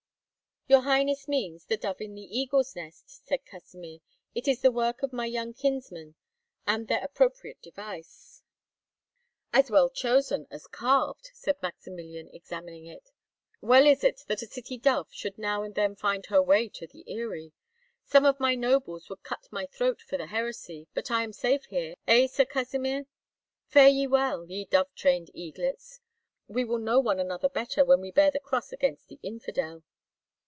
"Your highness means, 'The Dove in the Eagle's Nest,'" said Kasimir. "It is the work of my young kinsmen, and their appropriate device." "As well chosen as carved," said Maximilian, examining it. "Well is it that a city dove should now and then find her way to the eyrie. Some of my nobles would cut my throat for the heresy, but I am safe here, eh, Sir Kasimir? Fare ye well, ye dove trained eaglets. We will know one another better when we bear the cross against the infidel."